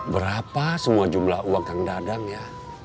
berapa semua jumlah uang kang dadang ya